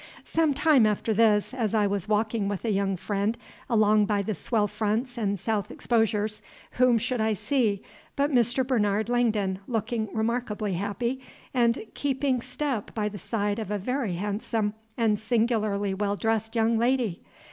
Some time after this, as I was walking with a young friend along by the swell fronts and south exposures, whom should I see but Mr. Bernard Langdon, looking remarkably happy, and keeping step by the side of a very handsome and singularly well dressed young lady?